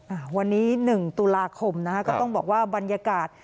อ่าวันนี้หนึ่งตุลาคมนะฮะก็ต้องบอกว่าบรรยากาศ